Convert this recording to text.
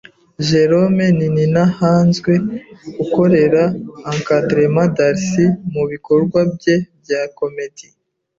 Jérôme Nininahazwe ukorera 'encadrement' Darcy mu bikorwa bye bya 'comédie',